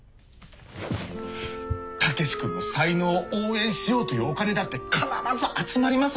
武志君の才能を応援しようというお金だって必ず集まります。